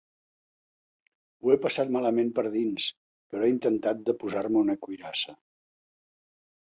Ho he passat malament per dins, però he intentat de posar-me una cuirassa.